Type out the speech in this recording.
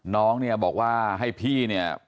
น้องเนี่ยบอกว่าให้พี่เนี่ย